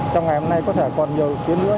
trong ngày hôm nay có thể còn nhiều chuyến nữa